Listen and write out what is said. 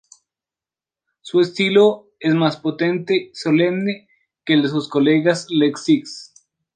Su estilo es más potente y solemne que el sus colegas de Les Six.